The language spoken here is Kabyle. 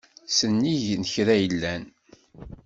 Sennig n kra yellan.